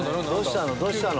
どうしたの？